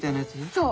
そう。